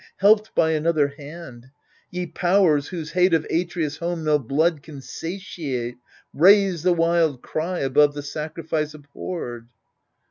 Helped by another hand ! Ye powers, whose hate Of Atreus' home no blood can satiate, Raise the wild cry above the sacrifice abhorred